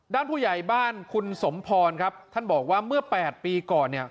ด้านผู้ใหญ่บ้านคุณสมพรครับท่านบอกว่าเมื่อ๘ปีก่อนเนี่ย